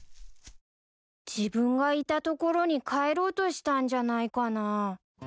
自分がいた所に帰ろうとしたんじゃないかな？